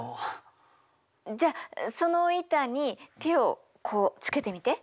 じゃあその板に手をこうつけてみて。